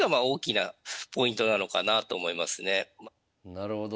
なるほど。